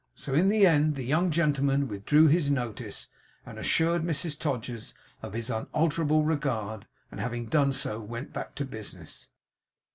So, in the end, the young gentleman withdrew his notice, and assured Mrs Todgers of his unalterable regard; and having done so, went back to business.